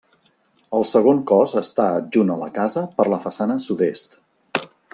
El segon cos està adjunt a la casa per la façana sud-est.